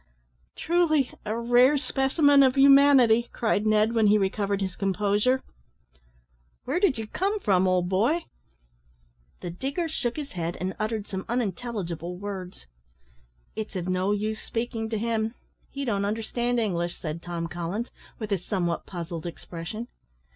"Truly, a rare specimen of humanity," cried Ned, when he recovered his composure. "Where did you come from, old boy?" The digger shook his head, and uttered some unintelligible words. "It's of no use speaking to him; he don't understand English," said Tom Collins, with a somewhat puzzled expression.